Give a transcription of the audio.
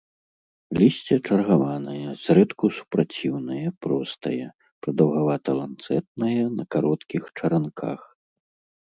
Лісце чаргаванае, зрэдку супраціўнае, простае, прадаўгавата-ланцэтнае, на кароткіх чаранках.